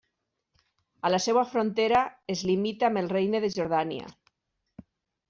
A la seva frontera est limita amb el Regne de Jordània.